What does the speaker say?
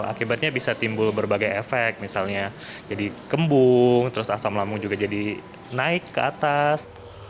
akibatnya bisa timbul berbagai efek misalnya jadi kembung terus asam lambung juga jadi naik ke atas